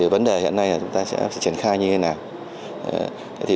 vấn đề hiện nay chúng ta sẽ truyền khai như thế nào